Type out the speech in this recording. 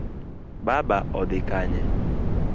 Baba odhi Kanye?